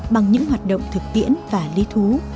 bằng những hoạt động thực tiễn và lý thú